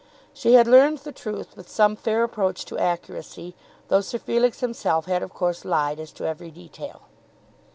She had learned the truth with some fair approach to accuracy, though Sir Felix himself had of course lied as to every detail.